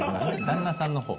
旦那さんの方？